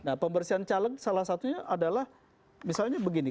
nah pembersihan caleg salah satunya adalah misalnya begini